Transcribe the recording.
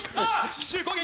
奇襲攻撃！